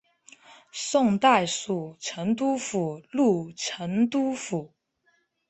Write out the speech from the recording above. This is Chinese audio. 宋代属成都府路成都府。